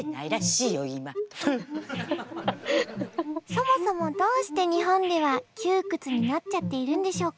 そもそもどうして日本では窮屈になっちゃっているんでしょうか？